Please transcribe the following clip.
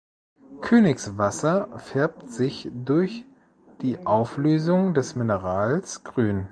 Königswasser färbt sich durch die Auflösung des Minerals grün.